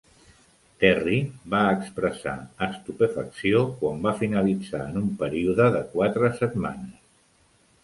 Terry va expressar estupefacció quan va finalitzar en un període de quatre setmanes.